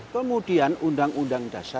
kemudian undang undang dasar empat puluh lima